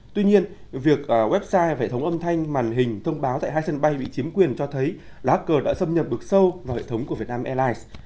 tuy nhiên việc website hệ thống âm thanh màn hình thông báo tại hai sân bay bị chiếm quyền cho thấy laker đã xâm nhập bực sâu vào hệ thống của việt nam airlines